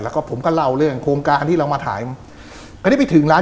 แล้วก็ผมก็เล่าเรื่องโครงการที่เรามาถ่ายคราวนี้ไปถึงร้าน